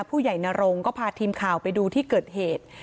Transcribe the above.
ผู้ไยนาโลงก็พาทีมข่าวไปดูที่เกิดเหตุ